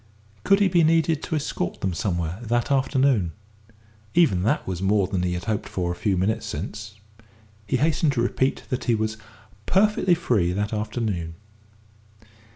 Could he be needed to escort them somewhere that afternoon? Even that was more than he had hoped for a few minutes since. He hastened to repeat that he was perfectly free that afternoon.